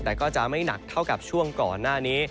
แต่ก็จะไม่หนักเท่ากับช่วงก่อนหน้านี้